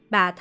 bà thang thở